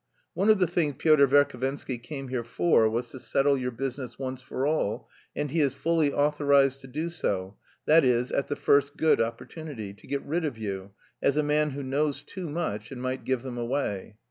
One of the things Pyotr Verhovensky came here for was to settle your business once for all, and he is fully authorised to do so, that is at the first good opportunity, to get rid of you, as a man who knows too much and might give them away.